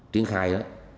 triển khai đó